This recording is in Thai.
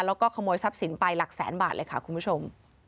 แล้วก็ขโมยทรัพย์สินไปหลักแสนบาทเลยค่ะคุณผู้ชม